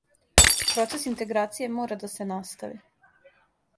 Процес интеграције мора да се настави.